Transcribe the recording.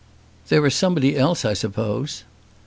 "There is somebody else I suppose."